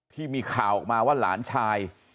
ที่มีข่าวออกมาว่าหลานชาย